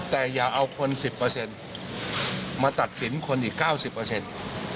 แต่อย่าเอาคน๑๐มาตัดสินคนอีก๙๐เปอร์เซ็นต์